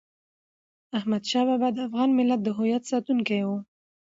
احمد شاه بابا د افغان ملت د هویت ساتونکی و.